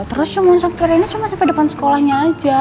terus cuman sekiranya cuma sampai depan sekolahnya aja